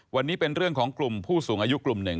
วันนี้เป็นเรื่องของกลุ่มผู้สูงอายุกลุ่มหนึ่ง